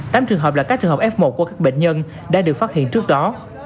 tám trường hợp là các trường hợp f một của các bệnh nhân đã được phát hiện trước đó